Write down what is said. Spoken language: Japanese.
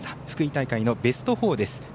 福井大会のベスト４です。